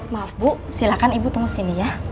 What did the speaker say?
maaf bu silakan ibu tunggu sini ya